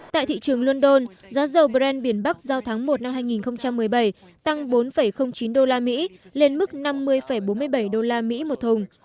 tại thị trường london giá dầu brent biển bắc giao tháng một năm hai nghìn một mươi bảy tăng bốn chín usd lên mức năm mươi bốn mươi bảy usd một thùng